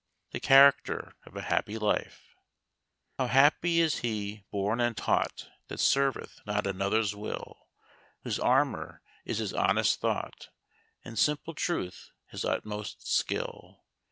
THE CHARACTER OF A HAPPY LIFE How happy is he born and taught That serveth not another's will; Whose armour is his honest thought, And simple truth his utmost skill!